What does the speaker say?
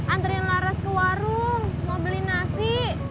antri laras ke warung mau beli nasi